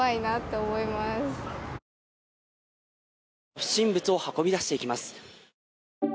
不審物を運び出していきます。